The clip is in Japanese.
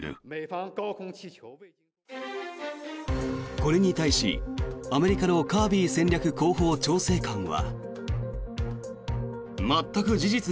これに対し、アメリカのカービー戦略広報調整官は。